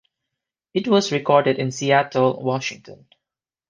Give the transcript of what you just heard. It was recorded in Seattle, Washington.